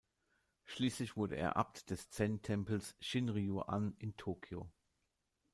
Schließlich wurde er Abt des Zen-Tempels Shinryu-an in Tokio.